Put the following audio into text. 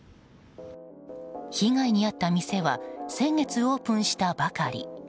被害に遭った店は先月オープンしたばかり。